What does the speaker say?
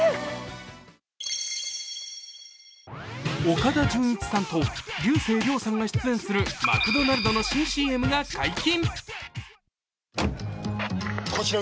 岡田准一と竜星涼さんが出演するマクドナルドの新ＣＭが解禁。